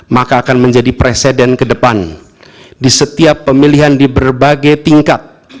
maka akan menjadi presiden ke depan di setiap pemilihan di berbagai tingkat